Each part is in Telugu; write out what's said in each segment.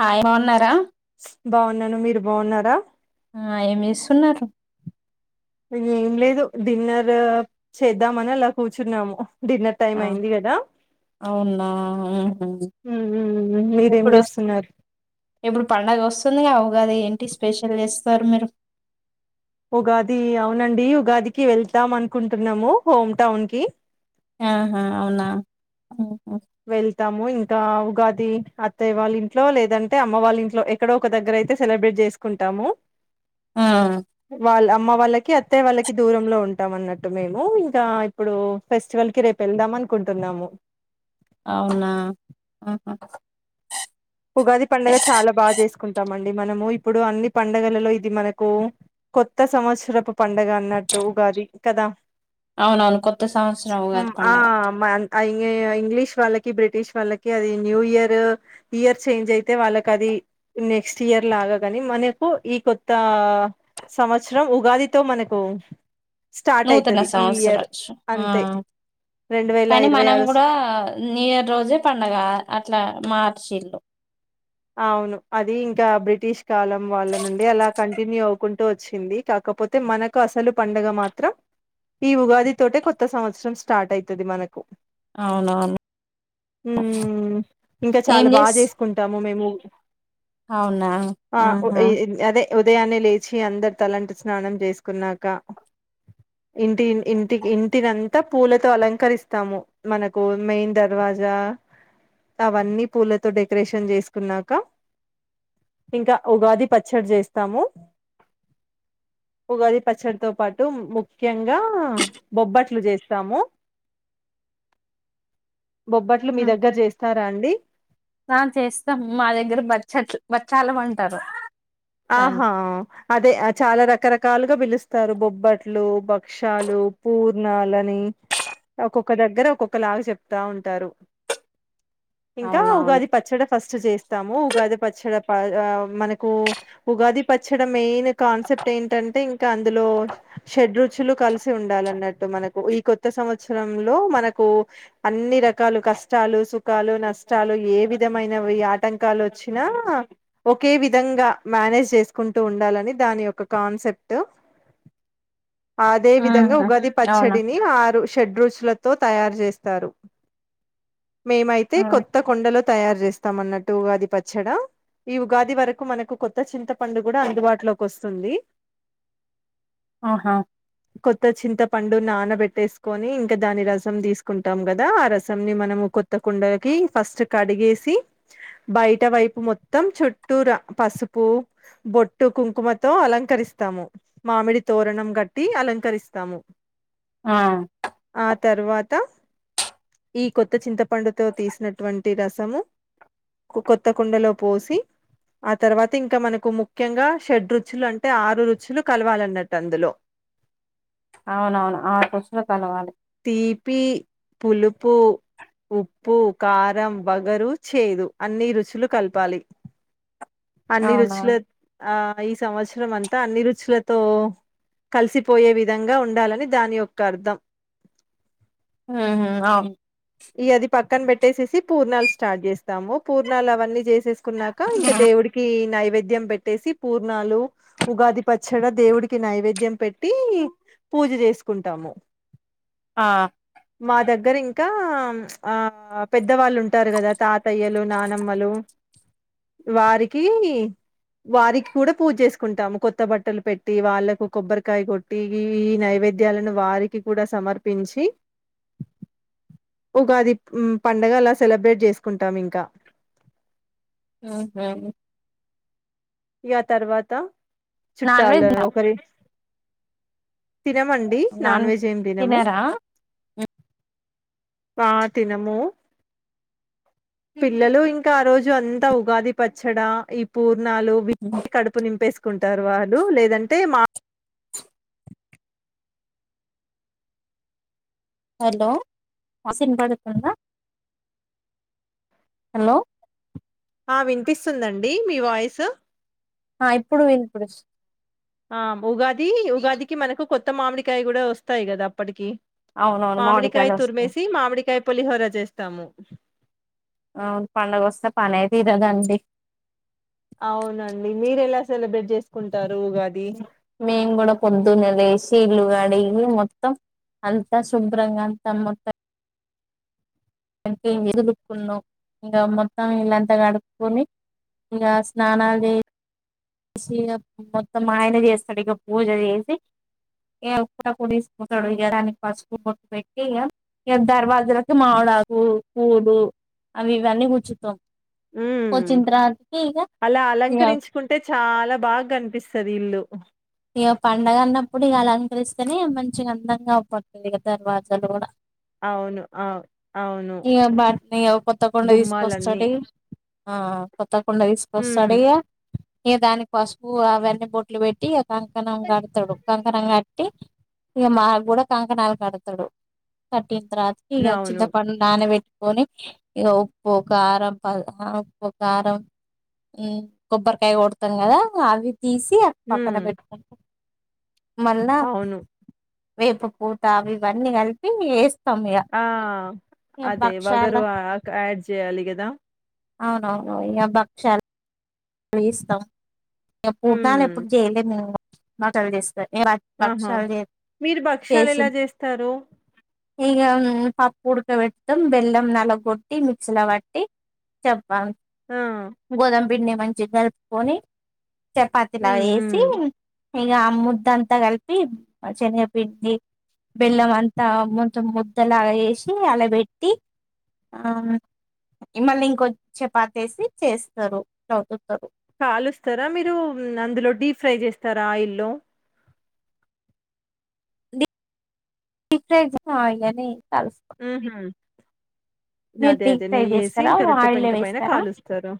హాయ్ బాగున్నారా బాగున్నాను మీరు బాగున్నారా ఆ ఏమి చేస్తున్నారు ఏం లేదు డిన్నర్ చేద్దామని అలా కూర్చున్నాము డిన్నర్ టైమ్ ఆ అయింది కదా అవునా ఉహు మీరేం ఇప్పుడు చేస్తున్నారు స్తుందిగా ఉగాది ఏంటి స్పెషల్ చేస్తారు మీరు ఉగాది అవునండి ఉగాదికి వెళ్తాం అనుకుంటున్నాము హోమ్ టౌన్ కి ఆహా అవునా మ్ వెళ్తాము ఇం కా ఉగాది అత్తయ్య వాళ్ళ ఇంట్లో లేదంటే అమ్మ వాళ్ళ ఇంట్లో ఎక్కడో ఒక దగ్గర అయితే సెలబ్రేట్ చేసుకుంటాము. ఆ వాళ్ళ అమ్మ వాళ్ళకి అత్తయ్య వాళ్ళకి దూరంలో ఉంటాం అన్నట్టు మేము ఇంకా ఇప్పుడు ఫెస్టివల్ కి రేపు వెళ్దాం అనుకుంటున్నాము. అవునా ఆ ఉగాది పండగ చాలా బాగా చేసుకుంటాం మా డి మనము ఇప్పుడు అన్ని పండగలలో ఇది మనకు కొత్త సంవత్సరపు పండగ అన్నట్టు ఉగాది కదా అవునవును కొత్త సంవత్సరం ఉగాది పండుగ ఈ ఇగ ఇంగ్లీష్ వాళ్ళకి బ్రిటిష్ వాళ్ళకి అది న్యూ ఇయర్ ఇయర్ చేంజ్ అయితే వాళ్ళకి అది నెక్స్ట్ ఇయర్ లాగా కానీ మనకు ఈ కొత్త సంవత్సరం ఉగాదితో మనకు స్టార్ట్ నూతన అయితది ఈ ఇయర్ సంవత్సరం ఆ అంతే రెండు వేల కానీ ఇరవై మనం ఆరు కూడా న్యూ ఇయర్ రోజే పండుగ అట్లా మర్చిల్లు అవును అది ఇంకా బ్రిటిష్ కాలం వాళ్ళ నుండి అలా కంటిన్యూ అవుకుంట్ తో వచ్చింది కాకపోతే మనకు అసలు పండగ మాత్రం ఈ ఉగాది తోటే కొత్త సంవత్సరం స్టార్ట్ అవుతుంది మనకు అవునవును మ్మ్ ఇంకా ఏం చాలా బాగా చేస్ చేసుకుంటాం మేము అవునా ఆ ఉ ఆహా ఇ అదే ఉదయాన్నే లేచి అందరు తలంట్టు స్నానం చేసుకున్నాక ఇంటి ఇంటికి ఇంటినంతా పూలతో అలంకరిస్తాము మనకు మెయిన్ దర్వాజా అవన్నీ పూలతో డెకరేషన్ చేసి స్ కున్నాక ఇంకా ఉగాది పచ్చడి చేస్తాము ఉగాది పచ్చడితో పాటు ముఖ్యంగా బొబ్బట్లు చేస్తాము బొబ్బట్లు మీ దగ్గర చేస్ తర అండీ ఆ చేస్తాం మా దగ్గర బచ్చట్లు బచ్చాలము అంటారు దాన్ని ఆహా అదే చాలా రకరక్ కాలుగా పిలుస్తారు, బొబ్బట్లు, భక్షాలు, పూర్ణాలని ఒక్కొక్క దగ్గర ఒక్కొక్క లాగా చెప్తా ఉంటారు. ఇంకా అవునవును ఉగాది పచ్చడ ఫస్ట్ చేస్ తాము ఉగాది పచ్చడ ప మనకు ఉగాది పచ్చడ మెయిన్ కాన్సెప్ట్ ఏంటంటే ఇంకా అందులో షడ్ రుచులు కలి సి ఉండాలన్నట్టు మనకు ఈ కొత్త సంవత్సరంలో మనకు అన్ని రకాలు కష్టాలు, సుఖాలు, నష్టాలు ఏ విధమైనవి ఆటంకాలు వచ్చినా, ఒకే విధంగా మ్యానేజ్ చేసుకుంటూ ఉండాలని దాని యొక్క కాన్సెప్ట్ అదే ఆ విధంగా ఉగాది అవునా పచ్చడిని ఆరు షడ్ రుచులతో తయారు చేస్తారు మేమైతే ఆ! కొత్త కుండలో తయారు చేస్తాం అన్నట్టు ఉగాది పచ్చడ ఈ ఉగాది వరకు మనకు కొ త్త చింతపండు కూడా అందుబాటులోకి వస్తుంది ఆహా కొత్త చింత పండు నానబెట్టేసుకొని ఇంకా దాని రసం తీసుకుంటాం కదా ఆ రసం ని మనము కొత్త కుండలకి ఫస్ట్ కడిగేసి బయట వైపు మొత్తం చుట్టూరా పసు పు బొట్టు కుంకుమతో అలంకరిస్తాము మామిడి తోరణం కట్టి అలంకరిస్తాము ఆ ఆ తర్వాత ఈ కొత్త చింత పండుతో తీసినటువన్ టి రసము కొ కొత్త కుండలో పోసి ఆ తరవా తింక మనకు ముఖ్యంగా షడ్ రుచులు అంటే ఆరు రుచులు కలవాలన్నట్టు అందులో అవునవును ఆరు రుచులు కలవాలి తీపి, పులుపు ఉప్పు కారం వగరు చేదు అన్నీ రుచులు కలపాలి అన్నీ రుచులే అవునవును ఆ ఆ ఈ సంవత్సరం అంతా అన్ని రుచులతో కలిసిపోయే విధంగా ఉండాలని దాని యొక్క అర్థం ఊహూ అవును ఈ అది పక్కన పెట్టేసేసి పూర్ణాలు స్టార్ట్ చేస్తాము పూర్ణాలు అవన్నీ చే సేసుకున్నాక ఇంక దేవుడికి నై వేద్యం పెట్టేసి పూర్ణాలు ఉగాది పచ్చడా దేవుడికి నైవేద్యం పెట్టి పూజ చేసుకుంటాము ఆ మా దగ్గర ఇంకా హ్మ్ ఆ పెద్దవాళ్ళుంట ఉంటారు కదా తాతయ్యలు నానమ్మలు వారికి వారికి కూడా పూజ చేసుకుంటాము కొత్త బట్టలు పెట్టి వాళ్ళకు కొబ్బరికాయ కొట్టి ఈ ఈ నైవేద్యాలను వారికి కూడా సమర్పించి ఉగాది పండగలా సెలబ్రేట్ చేసుకుంటాం ఇంకా మ్మ్ హ్మ్ ఇగ తర్వాత నాన్ చుట్టాల వెజ్ ఒకరి తినమండి నాన్ వెజ్ ఏమి తినము. తినరా పా తినము పిల్లలు ఇంకా ఆ రోజు అంతా ఉగాది పచ్చడా ఈ పూ నాలు వీ [unintelligible] కడుపు నింపేసు కుంటారు వాళ్ళు లేదంటే మా హలో వా [inaudible] స్ వినపడుతుందా హలో ఆ వినిపిస్తుందండి. ఈ మీ వాయిస్ ఆ ఇప్పుడు వినిపూడ్స్ ఆ ఉగాది ది ఈ ఉగాదికి మనకు కొ కొత్త మామిడికాయ కూడా వస్తాయి కదా అప్పటికి అవునవును మామిడి కాయ మామిడికాయలు వస్తాయి తుర్మేసి మామిడికాయ పులిహోర చేస్తాము. అవును పండగొస్తే పనే తీరదండి. అవునండి మీరు ఎలా సెలబ్రేట్ చేసుకుంటారు. మేము కూడా పొద్దున్న లేసి ఇల్లు కడిగి మొత్తం అంతా శుభ్రంగా అంతా మొత్తం ఇంకేమ్ [unintelligible] ళ్ళు దులుపుకున్నావు. ఇగ మొత్తం ఇల్లంతా కడుక్కోని ఇగ స్నానాలు చేసి మొత్తం మా ఆయన చేస్తాడు. ఇగ పూజ చేసి [inaudible] కొ తీసుకుంటాడు ఇయాడానికి పసుపు బొట్టు పెట్టి ఇగ దర్వాజలకి మామిడు ఆక్ అవి ఇవన్నీ కుచ్చుతం ఉ అలా ఇగ అలంకరించుకుంటే చాలా బాగా కనిపిస్తది ఇల్లు ఓ ఇగ పండగ అన్నప్పుడు ఇగ అలంకరిస్తేనే మంచిగా అందంగా అగుపడుతుంది. దర్వాజాలు కూడా అవును అ అవును ఇగ బట్ ఇగ కొత్త కుండ గుమ్మాలన్నీ తీసుకొస్తాడు ఆ కొత్త కొండ హ్మ్. తీసుకోస్తాడ్ ఇగ ఇగ దాని పసుపు అవన్నీ బొట్లు పెట్టి కంకణం కడతడు కం కంకణం కట్టి ఇక మా కూడా కంకణాలు కడతాడు కట్ ఇంత రాత్రి ఇగ అవును. చింత పడు నాన వేట్టి కని ఇక ఉప్పు కారం ప ఉప్పు కారం ఉ కొబ్బరికాయ కొడతాం కదా అవి తీసి అక్ పక్కన హ్మ్. పెట్ మల్నా అవును. వేపు పూత అవి ఇవన్నీ కలిపి ఎస్ ఆ అదే వగరు భక్షాలు అడ్డజేయలీగా దా అవునవును ఇగ బక్షాల్ యిస్తాం ఇగ పూర్ణలెప్పుడు ఎప్పుడు హ్మ్. చెయ్యలే మేము మాటవిదేస్ ఆహా మీరు భక్ష్యాలు ఎలా చేస్తారు ఇగ ఉం పప్పు ఉడకబడతాం బెల్లం నలగ గొట్టి మిక్సీ ల పట్టి చెప్ బ ఆ! గోదమ్ విడినేం చిగా గలుపుకొని చపాతలాగ హ్మ్. చేసి హ్మ్. ఇగ ముద్దంతా కలిపి శనగపిండి బెల్లం అంత మొత్తం ముద్దలాగ చేసి అల్ల పెట్టి ఆ మళ్ళీ ఇంకొ చపాతి వేసి చేస్తారు కాలుస్తారా మీరు అందులో డీప్ ఫ్రై చేస్తారా ఆయిల్లో డీ ఫ్రై చే అయిల్ ళ్లనే ఉహు మీరు అదే డీప్ అదే ఫ్రై నెయ్యిేసి చేస్తారా ఇంకా రొట్టె ఆయిల్ పెంక పైన వేస్తారా కాలుస్తారు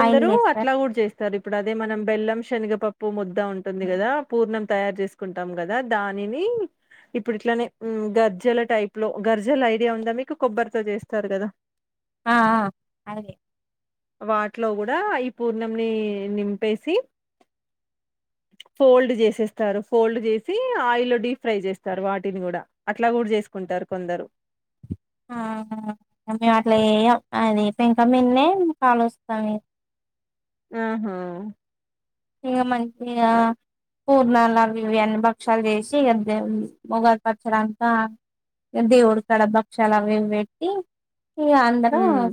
ఆయిల్ వేస్తారు అట్లా కూడా చేస్ స్తార్ ఇప్పుడు అదే మనం బెల్లం శనగపప్పు ముద్ద ఉంటుంది కదా పూర్ణం తయారు చేసుకుంటాం కదా దానిని ఇప్పుడు ఇట్లానే ఉం గ జల టైప్ లో గర్జల ఐడియా ఉందా మీకు కొబ్బరితో చేస్తారు కదా ఆ అ అగే వాటిలో కూడా ఈ పూర్ణంని నింపేసి ఫోల్డ్ చేసేస్తారు ఫోల్డ్ చేసి ఆయిల్లో డీప్ ఫ్రై చేస్తారు వాటిని కూడా అ అట్లా కూడా చేసుకుంటారు కొందరు ఆ హ మేము అట్లా చెయ్యం అది పెంకా మిన్నే కాలుస్తాం ఆహా ఇగ మం ఇగా అ పూర్ణాలవి ఇవి అన్ని భక్షాలు చేసి ఇగా దేవున్ది మొగాది పచ్చడంతా ఇగ దేవుడు కడ భక్షాలవి ఇవి పెట్టి ఈ గ అందరం హ్మ్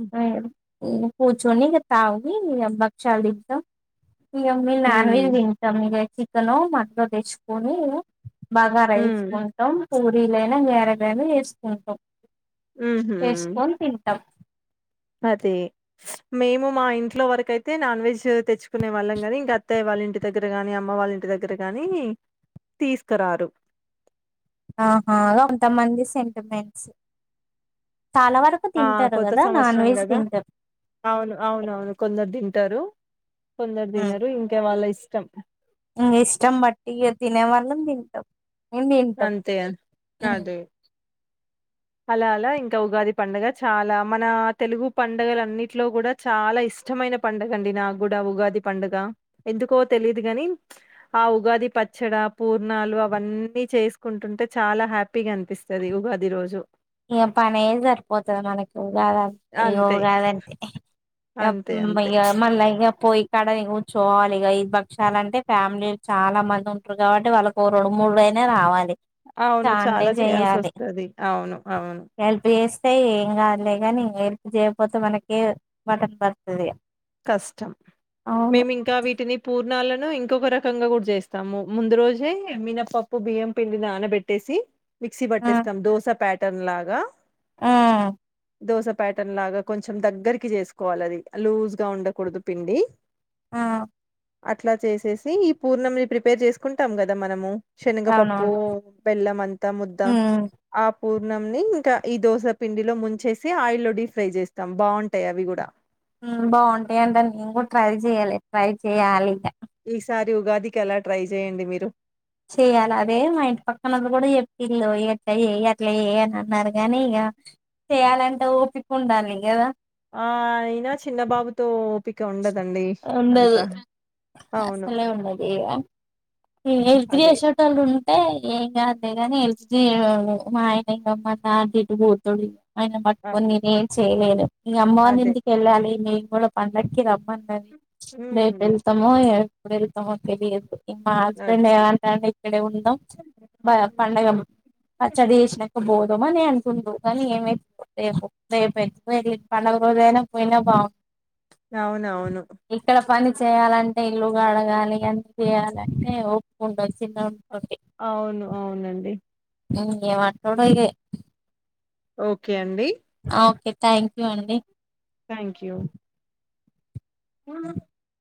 ఈ కూచోని ఇగ తాగి ఇగ బక్షలు తింటం ఇగ మీ నాన్వెజ్ హ్మ్ తింటాం ఇగ చిక్ కనో మటనో తెచ్చుకొని ఇగ బాగా హ్మ్ రైస్కుంటాం పూ వీలైనా వేరగానే వేసుకుంటాం ఉహుం అది మేము మా ఇంట్లో వరకుయితే నాన్ వెజ్ తెచ్చుకునే వాళ్ళం కానీ ఇంకా అత్తాయ్య వాళ్ళ ఇంటి దగ్గర కానీ అమ్మ వాళ్ళ ఇంటి దగ్గర కానీ తీసుకరారు ఆహా అంతమంది సెంటిమెంట్స్ చాలా వరకు ఆ తింటారు కొత్త కదా నాన్ వెజ్ సంవత్సరంగాదా తింటారు అవును అవునువును కొందరు ది ట రు కొందరు తినరు ఇంకా వాళ్ళ ఇస్ స్టమ్ ఉమ్ ఇష్టం బట్టిగా తినేవల్ అనందింతం ఏం తింటాంఉం అంతే అదే అలా అలా ఇంకా ఉగాది పంండగ చాలా మన తెలుగు పండగల అన్నింటిలో కూడా చాలా ఇష్టమైన పండుగ అండి నాకు కూడా ఉగాది పండుగ ఎందుకో తెలియదు కాని ఆ ఉగాది పచ్చడి పూర్ణాలు అవన్నీ చేసుకుంటుంటే చాలా హ్యాపీగా అనిపిస్తుంది ఉగాది రోజు ఇగ పనే సరిపోతది మనకు ఉగాదే ఇగో అంతే ఉగా దంటే యప్ అంతే అంతే ఇగ మళ్ల ఇగ పోయ్ ఇక్కడ నువ్ కూచో వాలి ఇగ ఐదుబక్షాల అంటే ఫ్యామిలీ చాలా మంది ఉంటారు కాబట్టి వాళ్ళకి రెండు మూడుయినా రావాలి అవును చాలా చేయాల్సి వస్తది అవును ఆ ఏ ల్ప్ ఏస్ తే ఏం కాదులే కాని హెల్ప్ చేయపోతే మనకే బ టన్ పడుతది కష్టం అవును మేము ఇంకా వీటిని పూర్ణాలన్ ను ఇంకొక రకంగా కూడా చేస్తాము ముందు రోజే మినప్పప్పు బియ్యం పిండిని నానబెట్టేసి మిక్సీ పెట్టేస్తాం దోస పాట్ ట్టన్ లాగా ఉమ్ దోస ప్యాటర్న్ లాగా కొంచెం దగ్గరికి చేసుకోవాలి ఆది లూజ్ గా ఉండకూడదు పిండి ఆ అట్లా చేసేసి ఈ పూర్ణమిని ప్రిపేర్ చేసుకుంటాం కదా మనము శనగపప్పు అవునవును బెల్లం అంతా ముద్ద ఉమ్ ఆ పూర్ణంని ఇంకా ఈ దోస పిండిలో ముంచేసి ఆయిల్లో డీ ఫ్రై చేస్తాం బాగుంటాయి అవి కూడా బాగుంటాయన్ట నేను కూడా ట్రై చెయ్యాలే ట్రై చెయ్యాలి ఇక ఈసారి ఉగాదికి అలా ట్రై చేయండి మీరు చేయ్యాలి అదే మా ఇంటి పక్కనోళ్ళు గూడ చెప్పిల్లు ఇట్లా చేయి అట్లా చేయి అని అన్నారు గానీ ఇక చెయాలంటే ఓపిక ఉండాలి కదా ఆ అయినా చిన్నబాబుతో ఓపిక ఉండదు ఉండదు అవును అస్సలే ఉండదు ఇగ ఎల్త్ అదే చేసేటోళ్లు ఉన్ అంటే ఏంకాదులే కానీ హెల్ప్ చేయు మా ఆయనే ఇంక మాతాతిటు పోతడు ఆయన ఆ పట్టుకొని నేనేంచ్ చేలేను ఇగ అమ్మ వాళ్ళ అదే ఇంటికెళ్ళాలి మేం వల్ల పండక్కి రమ్మన్నది ఉమ్ రేపు ఎల్థమో ఏ ఎప్పుడెల్తామో తెలియదు మా హస్బెండ్ అదే ఏమంటుండు ఇక్కడే ఉందాం పండగ పచ్చడి చేసినాక పోదం అని అంటుండు కానీ ఏమైతు ఎసో దే పెద్ద పండుగ అదైనా పోయినా బాగు అవునవును ఇక్కడ పని చేయాలంటే ఇల్లుకడగాలి అన్నీ చేయాలంటే ఓపిక ఉండాలీ చిన్నోని అవును అవునండి ఉ ఏం అంటడో ఇగ ఓకే అండి ఓకే థ్యాంక్ యూ అండి థ్యాంక్ యూ అ